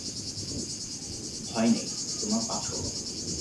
ভয় নেই, তোমার পা ছোঁব না।